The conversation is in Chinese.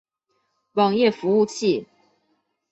网页服务器。